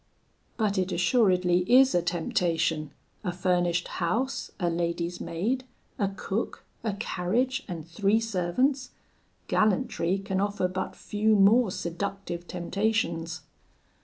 'But it assuredly is a temptation a furnished house, a lady's maid, a cook, a carriage, and three servants gallantry can offer but few more seductive temptations.'